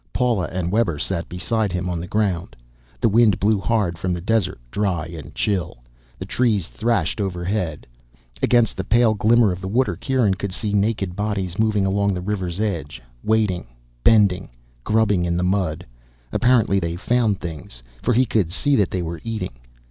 Paula and Webber sat beside him, on the ground. The wind blew hard from the desert, dry and chill. The trees thrashed overhead. Against the pale glimmer of the water Kieran could see naked bodies moving along the river's edge, wading, bending, grubbing in the mud. Apparently they found things, for he could see that they were eating.